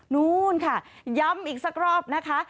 นู้นค่ะย้ำอีกสักรอบนะคะ